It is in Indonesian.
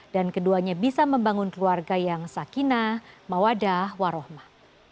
dan keduanya bisa membangun keluarga yang sakinah mawadah warohmah